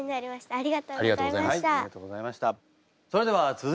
ありがとうございます。